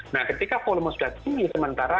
nah ketika volume sudah tinggi sementara